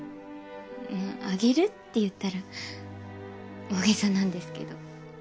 あげるって言ったら大げさなんですけど。